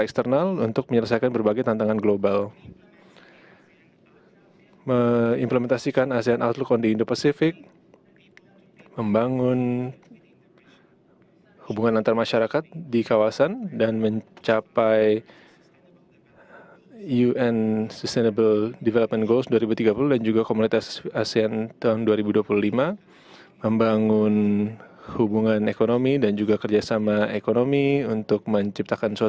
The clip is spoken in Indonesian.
yang terbesar penyelesaian perusahaan yang lebih luas dan lebih luas menjelaskan keuntungan dan keuntungan yang lebih luas